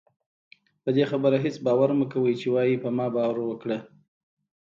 پدې خبره هېڅ باور مکوئ چې وايي په ما باور وکړه